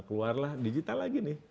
keluarlah digital lagi nih